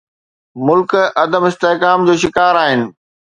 ملڪ عدم استحڪام جو شڪار آهن.